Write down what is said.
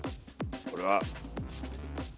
これは。